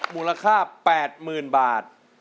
มูลค่า๘๐๐๐บาท